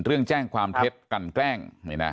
เรื่องแจ้งความเท็จกันแกล้ง